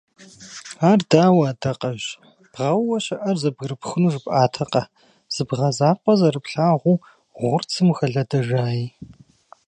Ар дауэ, Адакъэжь, бгъэуэ щыӀэр зэбгырыпхуну жыпӀатэкъэ, зы бгъэ закъуэ зэрыплъагъуу гъурцым ухэлъэдэжай?